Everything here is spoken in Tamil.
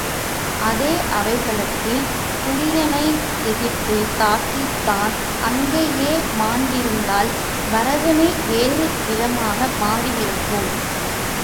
அதே அவைக்களத்தில் துரியனை எதிர்த்துத் தாக்கித் தான் அங்கேயே மாண்டிருந்தால் பாரதமே வேறு விதமாக மாறி இருக்கும்.